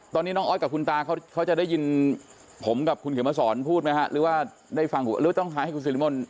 ตอนนี้น้องออสกับคุณตาเขาจะได้ยินผมกับคุณเขียนมาสอนพูดไหมฮะหรือว่าได้ฟังหรือต้องหาให้คุณสิริมนต์